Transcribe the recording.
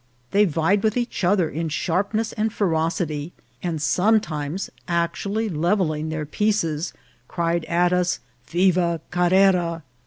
They vied with each other in sharpness and ferocity, and sometimes actually levelling their pieces, cried at us " Viva Carrera."